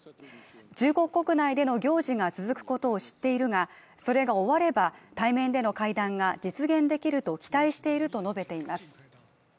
中国国内での行事が続くことを知っているが、それが終われば、対面での会談が実現できると期待していると述べています。